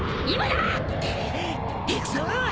今だ！